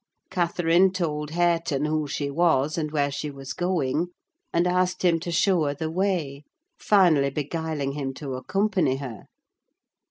Catherine told Hareton who she was, and where she was going; and asked him to show her the way: finally, beguiling him to accompany her.